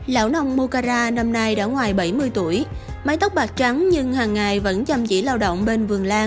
lão nông mocara năm nay đã ngoài bảy mươi tuổi mái tóc bạc trắng nhưng hàng ngày vẫn chăm chỉ lao động bên vườn lan